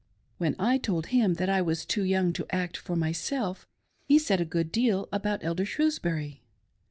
When I told him that I was too young to act for myself he said a good deal about Elder Shrewsbury.